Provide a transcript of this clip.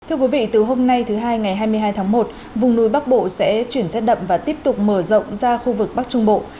thưa quý vị từ hôm nay thứ hai ngày hai mươi hai tháng một vùng núi bắc bộ sẽ chuyển rét đậm và tiếp tục mở rộng ra khu vực bắc trung bộ